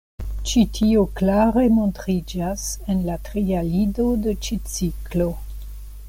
Ĉi tio klare montriĝas en la tria lido de ĉi ciklo.